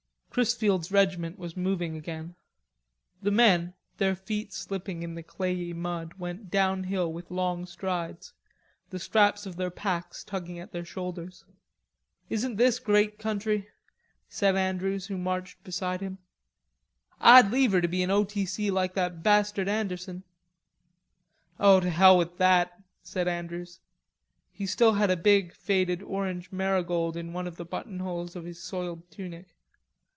Chrisfield's regiment was moving again. The men, their feet slipping in the clayey mud, went downhill with long strides, the straps of their packs tugging at their shoulders. "Isn't this great country?" said Andrews, who marched beside him. "Ah'd liever be at an O. T. C. like that bastard Anderson." "Oh, to hell with that," said Andrews. He still had a big faded orange marigold in one of the buttonholes of his soiled tunic.